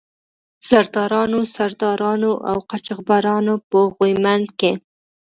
زردارانو، سردارانو او قاچاق برانو په غويمند کې.